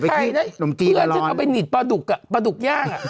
เพื่อนฉันเอาไปพาดุกพาดุกอย่าง